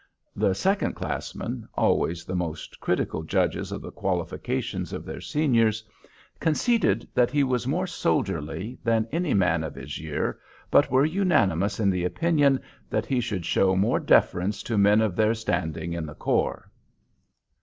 The second classmen, always the most critical judges of the qualifications of their seniors, conceded that he was more soldierly than any man of his year, but were unanimous in the opinion that he should show more deference to men of their standing in the corps.